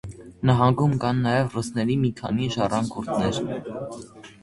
Նահանգում կան նաև ռուսների մի քանի ժառանգորդներ։